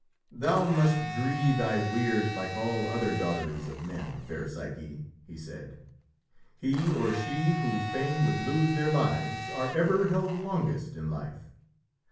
"Thou must dree thy weird like all other daughters of men, fair Psyche," he said. "He or she who fain would lose their lives, are ever held longest in life.